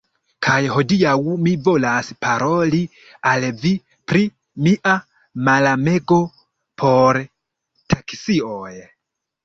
Kaj hodiaŭ mi volas paroli al vi pri mia malamego por taksioj.